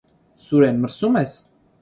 Սուրեն, մրսո՞ւմ ես: